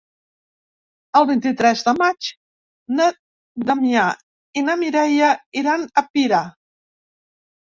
El vint-i-tres de maig na Damià i na Mireia iran a Pira.